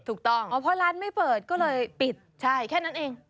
ถูกต้องอ๋อเพราะร้านไม่เปิดก็เลยปิดใช่แค่นั้นเอง